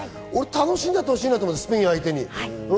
楽しんでやってほしいと思う、スペイン相手に。